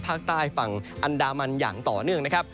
ภาคใต้ฝั่งอันดามันอย่างต่อเนื่องนะครับ